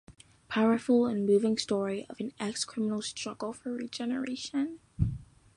Powerful and moving Story of an Ex-Criminal's struggle for regeneration.